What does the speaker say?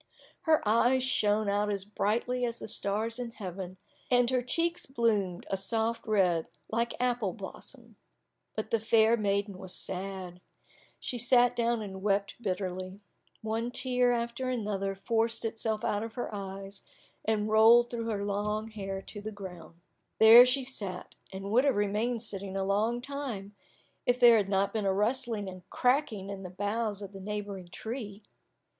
Her eyes shone out as brightly as the stars in heaven, and her cheeks bloomed a soft red like apple blossom. But the fair maiden was sad. She sat down and wept bitterly. One tear after another forced itself out of her eyes, and rolled through her long hair to the ground. There she sat, and would have remained sitting a long time, if there had not been a rustling and cracking in the boughs of the neighbouring tree.